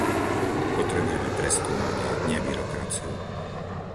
Potrebujeme preskúmanie, nie byrokraciu.